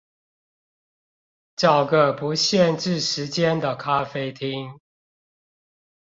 找個不限制時間的咖啡廳